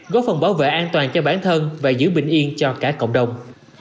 góp phần bảo vệ an toàn cho bản thân và giữ bình yên cho cả cộng đồng